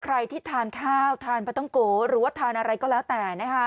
ใครที่ทานข้าวทานปลาต้องโกหรือว่าทานอะไรก็แล้วแต่นะคะ